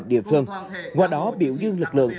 địa phương ngoài đó biểu dương lực lượng